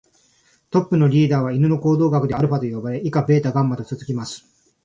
トップのリーダーは犬の行動学ではアルファと呼ばれ、以下ベータ、ガンマと続きます。